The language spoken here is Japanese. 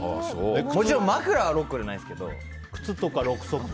もちろん枕は６個じゃないですけど。